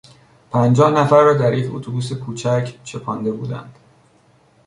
پنجاه نفر را در یک اتوبوس کوچک چپانده بودند.